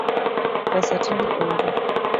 Pesa tinde onge